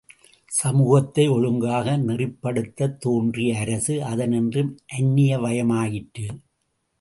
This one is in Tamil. சமூகத்தை ஒழுங்காக நெறிப்படுத்தத் தோன்றிய அரசு, அதனின்றும் அந்நியவயமாயிற்று.